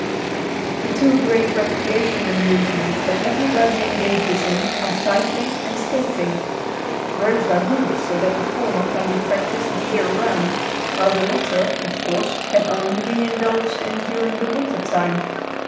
The two great recreation amusements that everybody engages in are cycling and skating. Roads are good so that the former can be practiced the year around, while the latter, of course, can only be indulged in during the winter time.